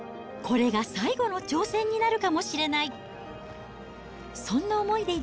これが最後の挑戦になるかもしれない。